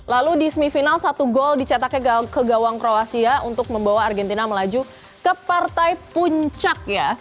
lalu di semifinal satu gol dicetaknya ke gawang kroasia untuk membawa argentina melaju ke partai puncak ya